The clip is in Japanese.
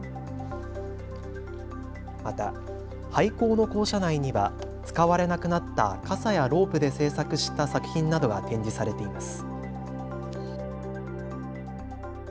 また、廃校の校舎内には使われなくなった傘やロープで制作した作品などが展示されています。